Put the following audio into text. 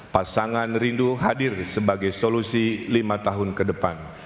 pasangan rindu hadir sebagai solusi lima tahun ke depan